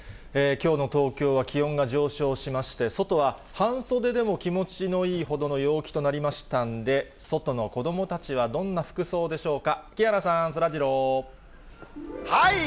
きょうの東京は気温が上昇しまして、外は半袖でも気持ちのいいほどの陽気となりましたんで、外の子どもたちはどんな服装でしょうか。